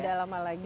tidak lama lagi